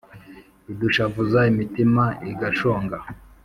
Idushavuza imitima igashonga